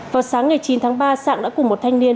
vào sáng ngày chín tháng ba sẵn đã cùng một thanh niên